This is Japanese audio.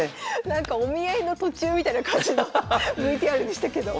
なんかお見合いの途中みたいな感じのＶＴＲでしたけど。